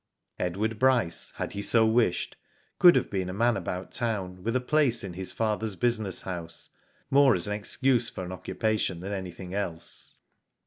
Edward Bryce, had he so wished, could have been a man about town, with a place in his father's business house, more as ^n excuse for an occupa tion than anything else.